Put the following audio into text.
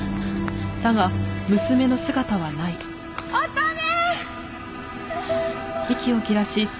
乙女！